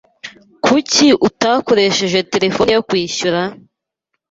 Kuki utakoresheje terefone yo kwishyura?